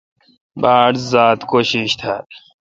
باڑ ذات کوشش تھال۔